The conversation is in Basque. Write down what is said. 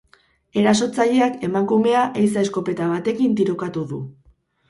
Erasotzaileak emakumea ehiza eskopeta batekin tirokatu du.